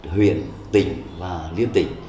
huyện tỉnh và liên tỉnh